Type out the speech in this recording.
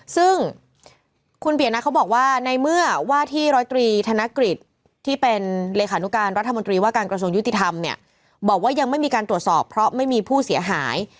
ซึ่งคุณเปียะเขาบอกว่าในเมื่อว่าที่ร้อยตรีธนกฤษที่เป็นเลขานุการรัฐมนตรีว่าการกระทรวงยุติธรรมเนี่ยบอกว่ายังไม่มีการตรวจสอบเพราะไม่มีผู้เสียหาย